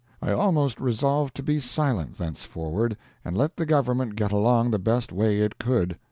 I almost resolved to be silent thenceforward, and let the Government get along the best way it could.